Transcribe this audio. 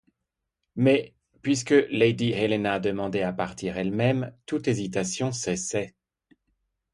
Mais, puisque lady Helena demandait à partir elle-même, toute hésitation cessait.